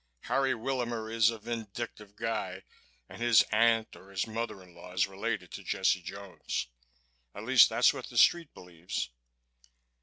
Harry Willamer is a vindictive guy and his aunt or his mother in law is related to Jesse Jones. At least that's what the Street believes."